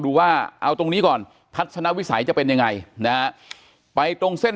ดูว่าเอาตรงนี้ก่อนทัศนวิสัยจะเป็นยังไงนะฮะไปตรงเส้น